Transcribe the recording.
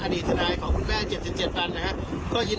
วันนี้ได้ข่าวมาว่าคุณแม่เจรจาเรื่องค่าเสียหายสำเร็จนะ